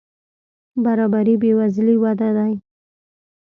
برابري بې وزلي وده دي.